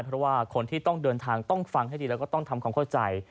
เพราะว่าคนที่ต้องเดินทางต้องฟังให้ดีแล้วก็ต้องทำความเข้าใจ